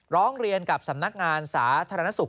ร้องเรียนกับสำนักงานสาธารณสุข